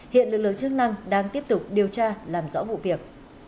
hiện lực lượng chức năng đang tiếp tục điều tra làm rõ vụ việc